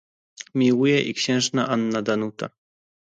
"Miłuje i księżna Anna Danuta."